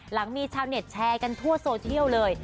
หลังมีชาวเน็ตแชร์กันทั่วโซเชียลเลย